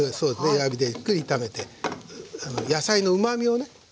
弱火でじっくり炒めて野菜のうまみをね